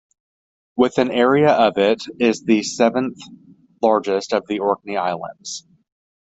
With an area of it is the seventh largest of the Orkney Islands.